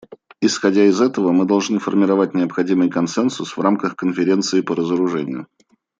Исходя из этого мы должны формировать необходимый консенсус в рамках Конференции по разоружению.